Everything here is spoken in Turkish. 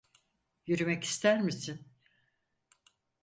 Yürümek ister misin?